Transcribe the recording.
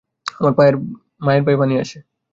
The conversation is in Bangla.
আমার মায়ের পায়ে পানি আসে।